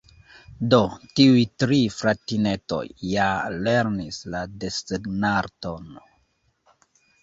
"Do, tiuj tri fratinetoj ja lernis la desegnarton".